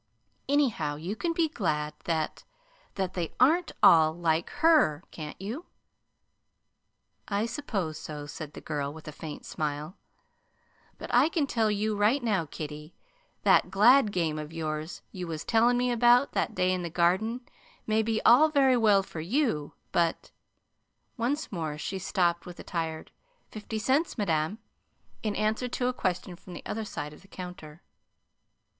Anyhow, you can be glad that that they aren't ALL like HER, can't you?" "I suppose so," said the girl, with a faint smile, "But I can tell you right now, kiddie, that glad game of yours you was tellin' me about that day in the Garden may be all very well for you; but " Once more she stopped with a tired: "Fifty cents, madam," in answer to a question from the other side of the counter.